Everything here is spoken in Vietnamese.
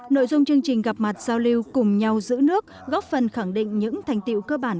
nội dung chương trình gặp mặt giao lưu cùng nhau giữ nước góp phần khẳng định những thành tiệu cơ bản